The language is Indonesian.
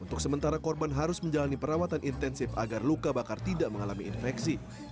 untuk sementara korban harus menjalani perawatan intensif agar luka bakar tidak mengalami infeksi